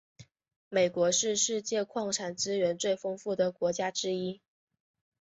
美国是世界矿产资源最丰富的国家之一。